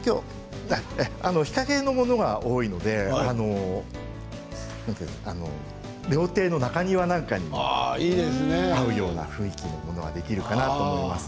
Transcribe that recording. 日陰のものが多いので料亭の中庭なんかに合うような雰囲気ができるかなと思っています。